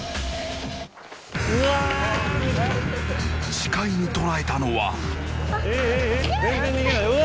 視界に捉えたのは。